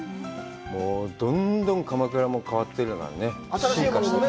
どんどん鎌倉も変わってるから進化してる。